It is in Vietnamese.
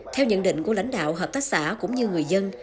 theo nhận định của lãnh đạo hợp tác xã cũng như người dân